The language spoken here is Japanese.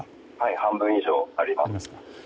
半分以上あります。